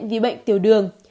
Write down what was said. bị bệnh tiểu đường